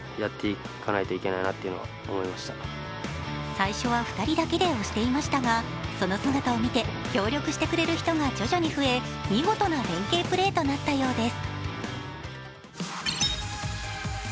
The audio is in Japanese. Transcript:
最初は２人だけで押していましたがその姿を見て協力してくれる人が徐々に増え見事な連係プレーとなったようです。